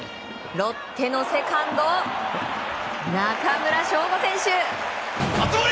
ロッテのセカンド中村奨吾選手！